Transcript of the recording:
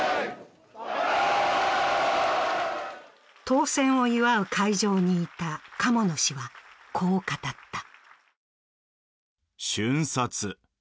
当選を祝う会場にいた鴨野氏はこう語った。